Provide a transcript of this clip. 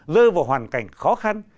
rơi vào hoàn cảnh khó khăn